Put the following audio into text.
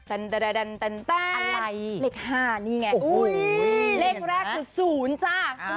อะไรเลขห้านี่ไงโอ้โหเลขแรกคือศูนย์จ้ะวาย